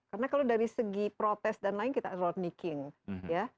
karena kalau dari segi protes dan lain kita rodney king ya